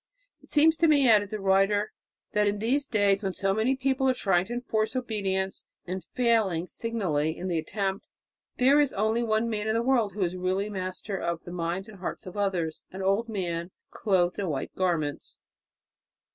"It seems to me," added the writer, "that in these days, when so many people are trying to enforce obedience, and failing signally in the attempt, that there is only one man in the world who is really master of the minds and hearts of others an old man clothed in white garments